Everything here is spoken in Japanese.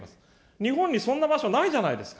日本にそんな場所ないじゃないですか。